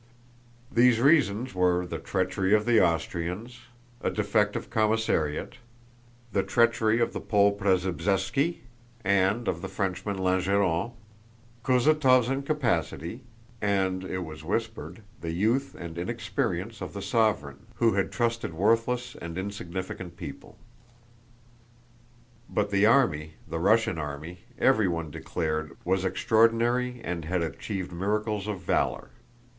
These reasons were the treachery of the Austrians, a defective commissariat, the treachery of the Pole Przebyszéwski and of the Frenchman Langeron, Kutúzov's incapacity, and (it was whispered) the youth and inexperience of the sovereign, who had trusted worthless and insignificant people. But the army, the Russian army, everyone declared, was extraordinary and had achieved miracles of valor.